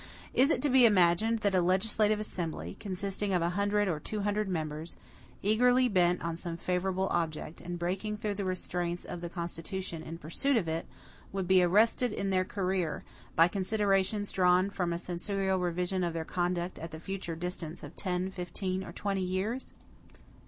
Is it to be imagined that a legislative assembly, consisting of a hundred or two hundred members, eagerly bent on some favorite object, and breaking through the restraints of the Constitution in pursuit of it, would be arrested in their career, by considerations drawn from a censorial revision of their conduct at the future distance of ten, fifteen, or twenty years?